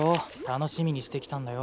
楽しみにしてきたんだよ。